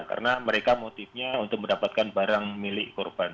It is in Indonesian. karena mereka motifnya untuk mendapatkan barang milik korban